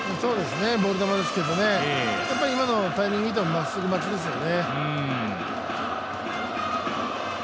ボール球ですけど、今のタイミング見てもまっすぐ待ちですよね。